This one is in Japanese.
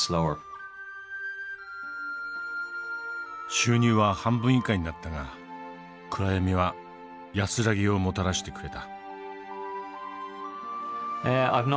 収入は半分以下になったが暗闇は安らぎをもたらしてくれた。